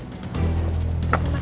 ya udah oke